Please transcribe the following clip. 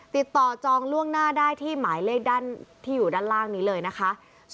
จองล่วงหน้าได้ที่หมายเลขด้านที่อยู่ด้านล่างนี้เลยนะคะ